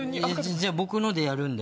じゃあ僕のでやるんで。